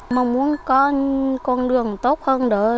mình muốn có con đường tốt hơn đó